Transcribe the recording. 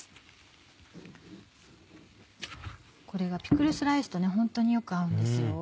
これがピクルスライスとホントによく合うんですよ。